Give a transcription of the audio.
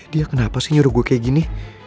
dia kenapa sih nyuruh gue kayak gini